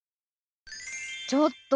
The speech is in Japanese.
ちょっと！